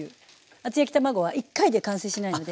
厚焼き卵は１回では完成しないので。